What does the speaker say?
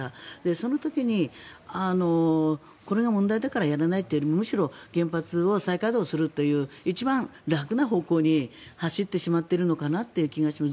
その時に、これが問題だからやらないというよりもむしろ原発を再稼働するという一番楽な方向に走ってしまっているのかなという気がします。